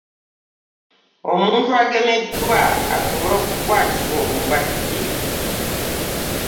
Omuntu agemeddwa asobola okukwatibwa obulwadde.